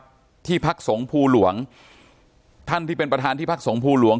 อยู่ด้วยนะครับที่พักสงภูหลวงท่านที่เป็นประธานที่พักสงภูหลวง